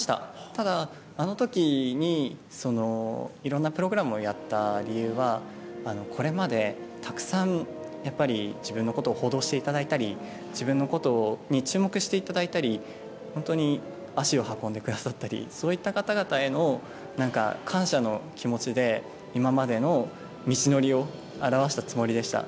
ただ、あの時にいろんなプログラムをやった理由はこれまで、たくさん自分のことを報道していただいたり自分のことに注目していただいたり本当に足を運んでくださったりそういった方々への感謝の気持ちで今までの道のりを表したつもりでした。